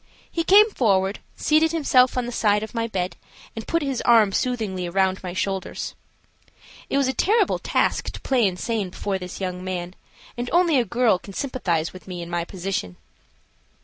He came forward, seated himself on the side of my bed, and put his arm soothingly around my shoulders. It was a terrible task to play insane before this young man, and only a girl can sympathize with me in my position.